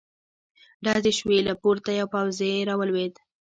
ډزې شوې، له پورته يو پوځې را ولوېد.